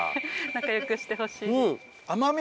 仲良くしてほしい。